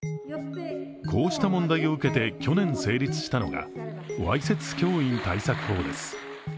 こうした問題を受けて去年成立したのが、わいせつ教員対策法です。